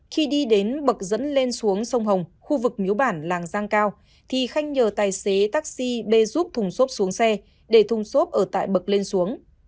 khi đi đến bậc dẫn lên xuống sông hồng khu vực miếu bản làng giang cao thì khanh nhờ tài xế taxi bê giúp thùng xốp xuống xe để thùng xốp ở tại bậc lên xuống